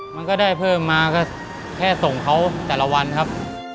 มันก็ได้เพิ่มมาก็แค่ส่งเขาแต่ละวันครับ